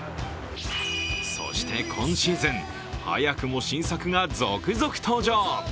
そして今シーズン、早くも新作が続々登場。